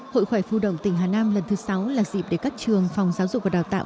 hội khỏe phụ động tỉnh hà nam lần thứ sáu là dịp để các trường phòng giáo dục và đào tạo